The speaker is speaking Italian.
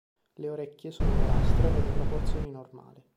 Le orecchie sono nerastre e di proporzioni normali.